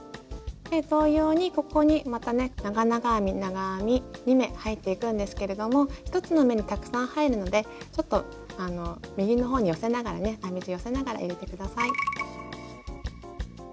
同様にここにまたね長々編み長編み２目入っていくんですけれども１つの目にたくさん入るのでちょっと右のほうに寄せながらね編み地寄せながら入れて下さい。